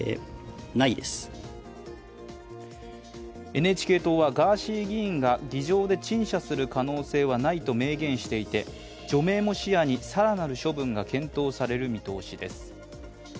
ＮＨＫ党はガーシー議員が議場で陳謝する可能性はないと明言していて除名も視野に更なる処分が検討される見通しです。